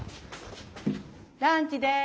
ランチです。